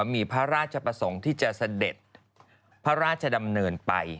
มีพระราชประสงค์ที่จะเสด็จพระราชดำเนินไป